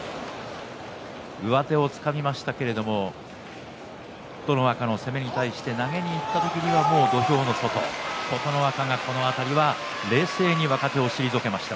上手をつかみましたけれども琴ノ若の攻めに対して投げにいった時にはもう土俵の外琴ノ若がこの辺りは冷静に若手を退けました。